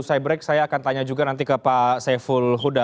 saya break saya akan tanya juga nanti ke pak saiful huda